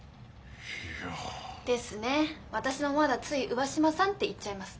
私もまだつい上嶋さんって言っちゃいます。